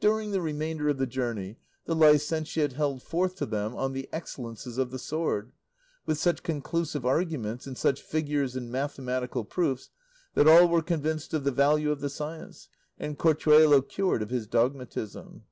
During the remainder of the journey the licentiate held forth to them on the excellences of the sword, with such conclusive arguments, and such figures and mathematical proofs, that all were convinced of the value of the science, and Corchuelo cured of his dogmatism.